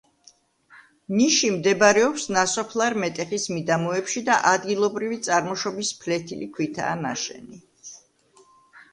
ნიში მდებარეობს ნასოფლარ მეტეხის მიდამოებში და ადგილობრივი წარმოშობის ფლეთილი ქვითაა ნაშენი.